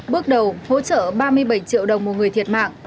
bước đầu hỗ trợ ba mươi bảy triệu đồng một người thiệt mạng